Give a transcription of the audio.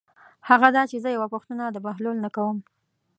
هغه دا چې زه یوه پوښتنه د بهلول نه کوم.